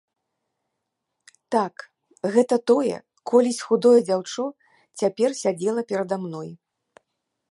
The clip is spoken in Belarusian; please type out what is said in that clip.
Так, гэта тое колісь худое дзяўчо цяпер сядзела перада мной.